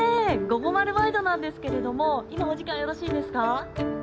『ごごまるワイド』なんですけれども今お時間よろしいですか？